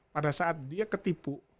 pada saat dia ketipu